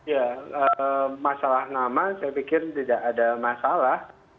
ya masalah nama saya pikir tidak ada masalah